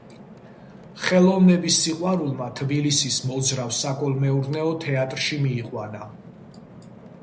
ხელოვნების სიყვარულმა თბილისის მოძრავ საკოლმეურნეო თეატრში მიიყვანა.